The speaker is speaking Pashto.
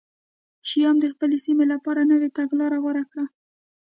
شیام د خپلې سیمې لپاره نوې تګلاره غوره کړه